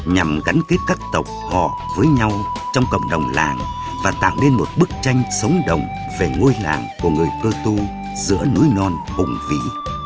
nhằm gắn kết các tộc họ với nhau trong cộng đồng làng và tạo nên một bức tranh sống động về ngôi làng của người cơ tu giữa núi non hùng vĩ